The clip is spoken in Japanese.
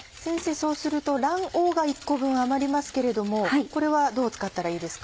そうすると卵黄が１個分余りますけれどもこれはどう使ったらいいですか？